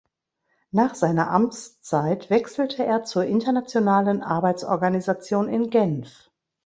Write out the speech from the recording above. Nach seiner Amtszeit wechselte er zur Internationalen Arbeitsorganisation in Genf.